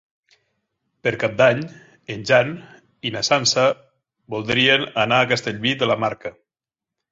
Per Cap d'Any en Jan i na Sança voldrien anar a Castellví de la Marca.